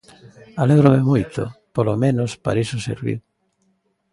Alégrome moito; polo menos, para iso serviu.